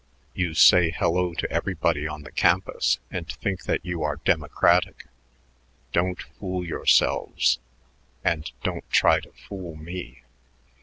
You say hello to everybody on the campus and think that you are democratic. Don't fool yourselves, and don't try to fool me.